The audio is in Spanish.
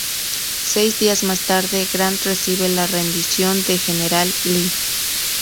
Seis días más tarde, Grant recibe la rendición del General Lee.